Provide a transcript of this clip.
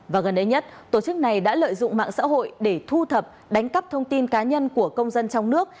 và gần đây nhất tổ chức này đã lợi dụng mạng xã hội để thu thập đánh cắp thông tin cá nhân của công dân trong nước